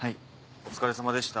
お疲れさまでした。